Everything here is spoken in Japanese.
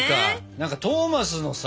何かトーマスのさ